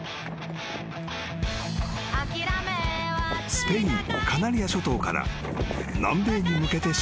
［スペインカナリア諸島から南米に向けて出航］